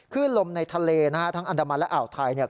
ขึ้นลมในทะเลนะครับทั้งอันดามันและอ่าวไทย